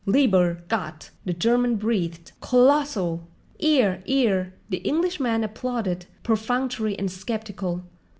"Lieber Gott!" the German breathed. "Colossal!" "'Ear, 'ear!" the Englishman applauded, perfunctory and skeptical.